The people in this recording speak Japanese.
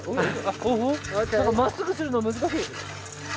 まっすぐするの難しい。